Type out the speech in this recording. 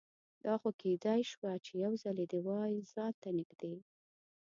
دا خو کیدای شوه چې یوځلې دې وای ځان ته نږدې